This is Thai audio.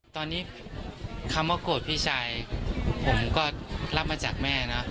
ตอนนี้คำว่าโกรธพี่ชายผมก็รับมาจากแม่นะ